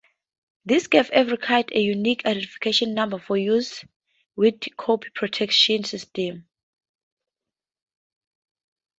This gave every card a unique identification number for use with copy protection systems.